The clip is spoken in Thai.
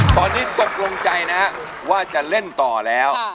ตอนนี้ตกลงใจนะว่าจะเล่นต่อแล้ว